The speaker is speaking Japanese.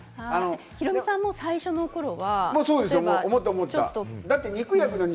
ヒロミさんも最初の頃は？